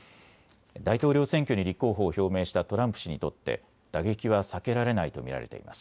大統領選挙に立候補を表明したトランプ氏にとって打撃は避けられないと見られています。